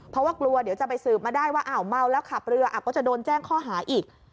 เพราะว่ากลัวเดี๋ยวจะไปสืบมาได้ว่าอ้าวเมาแล้วขับเรือก็จะโดนแจ้งข้อหาอีก